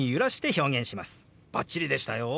バッチリでしたよ！